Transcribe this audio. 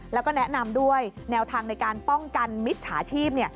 แล้วก็แนะนำด้วยแนวทางในการป้องกันมิจฉาชีพ